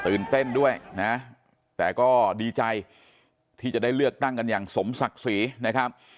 เต้นด้วยนะแต่ก็ดีใจที่จะได้เลือกตั้งกันอย่างสมศักดิ์ศรีนะครับ